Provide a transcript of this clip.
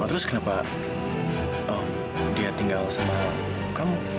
terus kenapa dia tinggal sama kamu